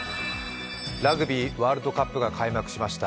ラグビーワールドカップが開幕しました。